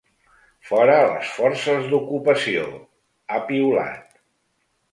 Fora les forces d’ocupació, ha piulat.